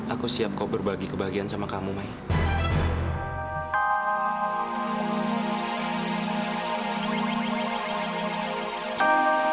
aku siap kau berbagi kebahagiaan sama kamu mai